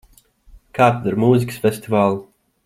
Kā tad ar mūzikas festivālu?